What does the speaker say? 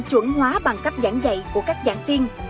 chuẩn hóa bằng cấp giảng dạy của các giảng viên